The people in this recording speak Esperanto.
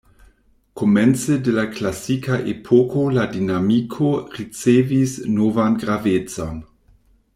Komence de la klasika epoko la dinamiko ricevis novan gravecon.